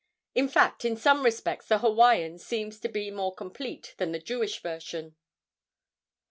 In fact, in some respects the Hawaiian seems to be more complete than the Jewish version.